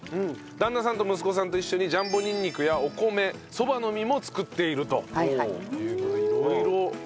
旦那さんと息子さんと一緒にジャンボにんにくやお米そばの実も作っているという事で色々。